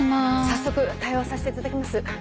早速対応させて頂きます。